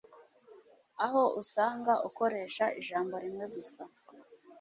aho usanga ukoresha ijambo rimwe gusa